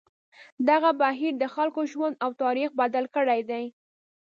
دغه بهیر د خلکو ژوند او تاریخ بدل کړی دی.